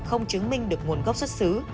không chứng minh được nguồn gốc xuất xứ